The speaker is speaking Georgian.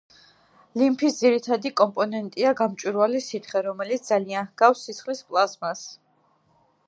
ლიმფის ძირითადი კომპონენტია გამჭვირვალე სითხე, რომელიც ძალიან ჰგავს სისხლის პლაზმას.